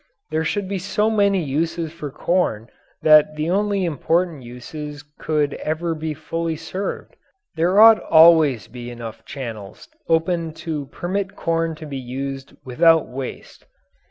There should be so many uses for corn that only the important uses could ever be fully served; there ought always be enough channels open to permit corn to be used without waste.